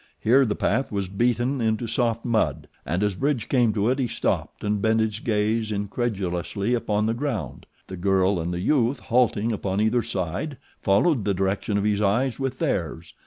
Here the path was beaten into soft mud and as Bridge came to it he stopped and bent his gaze incredulously upon the ground. The girl and the youth, halting upon either side, followed the direction of his eyes with theirs.